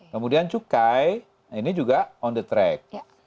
kemudian cukai ini juga on the track